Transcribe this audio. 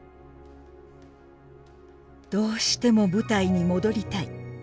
どうしても舞台に戻りたい。